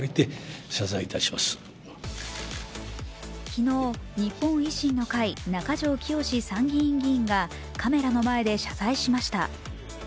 昨日、日本維新の会中条きよし参議院議員がカメラの前で謝罪しました。